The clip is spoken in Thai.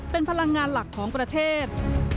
เป็นพลังงานหลักของประเทศ